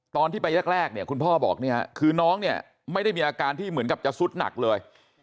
ตอนที่ไปแรกคุณพ่อบอกคือน้องไม่ได้มีอาการที่เหมือนกับจะซุดหนักเลย